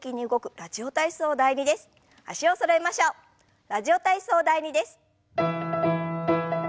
「ラジオ体操第２」です。